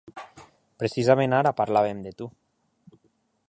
Precisament ara parlàvem de tu.